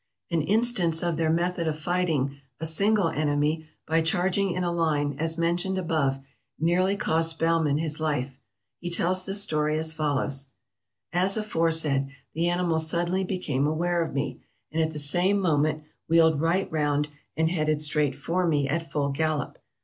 An instance of their method of fighting a single enemy by charging in a line, as mentioned above, nearly cost Baumann his life. He tells the story as follows: "As aforesaid, the animals suddenly became aware of me, and at the same moment wheeled right round and headed vi — S3 498 TRAVELERS AND EXPLORERS straight for me at full gallop.